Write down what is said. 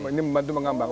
ini membantu mengambang